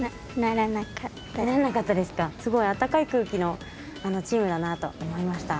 すごいあったかい空気のチームだなと思いました。